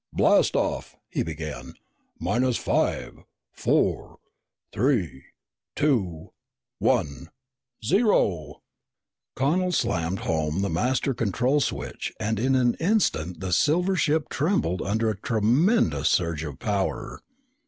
"Blast off," he began, "minus five, four, three, two, one, zero!" Connel slammed home the master control switch and in an instant the silver ship trembled under a tremendous surge of power.